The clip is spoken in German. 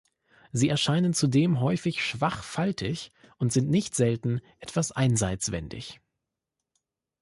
Sie erscheinen zudem häufig schwach faltig und sind nicht selten etwas einseitswendig.